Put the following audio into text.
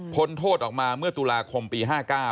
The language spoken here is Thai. โทษออกมาเมื่อตุลาคมปี๕๙